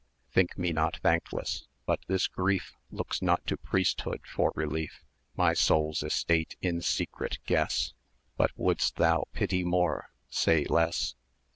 Think me not thankless but this grief Looks not to priesthood for relief.[eo] My soul's estate in secret guess: But wouldst thou pity more, say less.